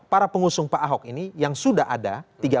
para pengusung pak ahok ini yang sudah ada